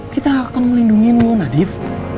kita akan melindungi lo nadiv